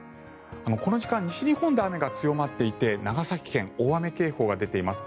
この時間西日本で雨が強まっていて長崎県、大雨警報が出ています。